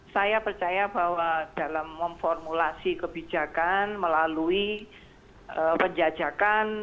saya percaya bahwa dalam memformulasi kebijakan melalui penjajakan